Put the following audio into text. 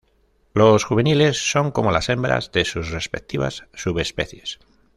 Los juveniles son como las hembras de sus respectivas subespecies.